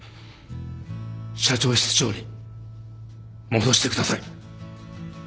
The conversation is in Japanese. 社長室長に戻してください。